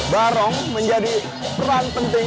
barong menjadi peran penting